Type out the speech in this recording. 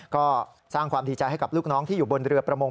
ก็สร้างความดีใจให้กับลูกน้องที่อยู่บนเรือประมง